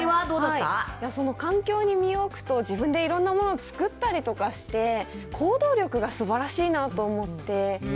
その環境に身を置くと、自分でいろんなもの作ったりとかして、行動力がすばらしいなと思って。